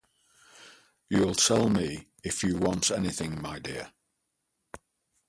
You’ll tell me if you want anything, my dear.